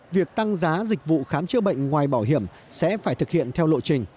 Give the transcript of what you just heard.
việc tăng giá dịch vụ khám chữa bệnh ngoài bảo hiểm sẽ phải thực hiện theo lộ trình